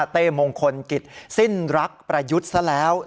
เต้มงคลกิจสิ้นรักประยุทธ์ซะแล้ว